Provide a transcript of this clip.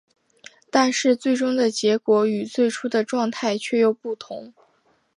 但是最终的结果与最初的状态却又不同。